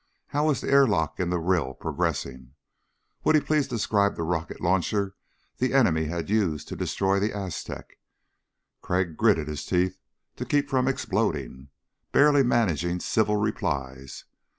How was the airlock in the rill progressing? Would he please describe the rocket launcher the enemy had used to destroy the Aztec? Crag gritted his teeth to keep from exploding, barely managing civil replies.